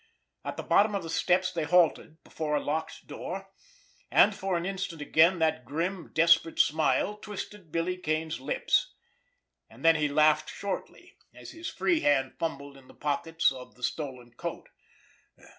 At the bottom of the steps they halted—before a locked door—and for an instant again that grim, desperate smile twisted Billy Kane's lips. And then he laughed shortly, as his free hand fumbled in the pockets of the stolen coat.